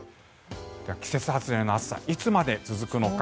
季節外れの暑さいつまで続くのか。